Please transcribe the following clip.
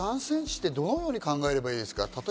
３ｃｍってどのように考えればいいですか？